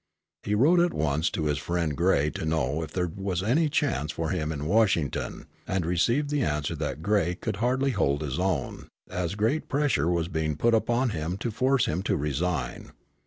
He wrote at once to his friend Gray to know if there was any chance for him in Washington, and received the answer that Gray could hardly hold his own, as great pressure was being put upon him to force him to resign.